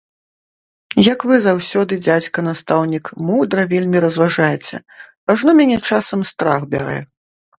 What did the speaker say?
Як вы заўсёды, дзядзька настаўнік, мудра вельмі разважаеце, ажно мяне часам страх бярэ!